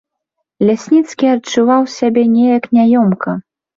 Лясніцкі адчуваў сябе неяк няёмка.